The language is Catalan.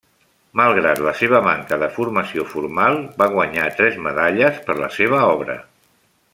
Malgrat la seva manca de formació formal, va guanyar tres medalles per la seva obra.